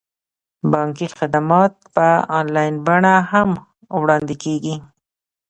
بانکي خدمات په انلاین بڼه هم وړاندې کیږي.